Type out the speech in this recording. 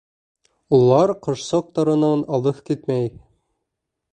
Улар ҡошсоҡтарынан алыҫ китмәй.